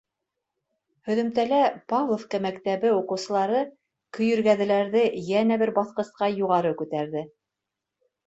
Һөҙөмтәлә Павловка мәктәбе уҡыусылары көйөргәҙеләрҙе йәнә бер баҫҡысҡа юғары күтәрҙе.